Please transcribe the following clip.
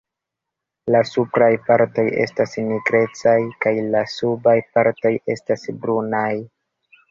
La supraj partoj estas nigrecaj kaj la subaj partoj estas brunaj.